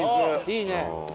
いいね。